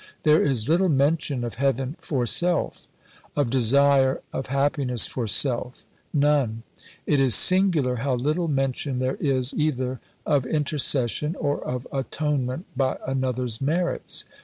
There is little mention of heaven for self; of desire of happiness for self, none. It is singular how little mention there is either of "intercession" or of "Atonement by Another's merits."